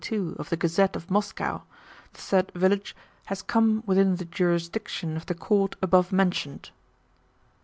42 of the Gazette of Moscow, the said Village has come within the Jurisdiction of the Court Above Mentioned."